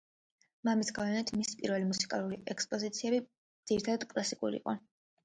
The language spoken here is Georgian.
მამის გავლენით, მისი პირველი მუსიკალური ექსპოზიციები ძირითადად კლასიკური იყო.